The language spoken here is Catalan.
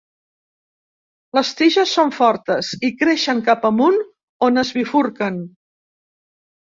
Les tiges són fortes i creixen cap amunt, on es bifurquen.